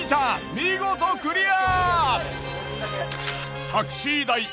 見事クリア！